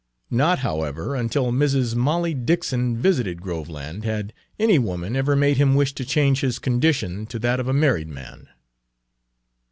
Not, however, until Mrs. Molly Dixon visited Groveland had any woman ever made him wish to change his condition to that of a married man.